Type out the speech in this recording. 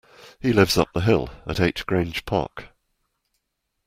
He lives up the hill, at eight Grange Park